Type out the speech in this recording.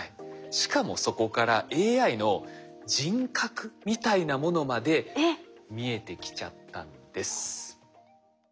しかもそこからＡＩの人格みたいなものまで見えてきちゃったんです。